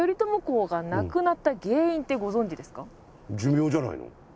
寿命じゃないの？